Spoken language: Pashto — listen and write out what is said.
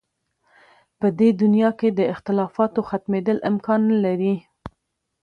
په دې دنیا کې د اختلافاتو ختمېدل امکان نه لري.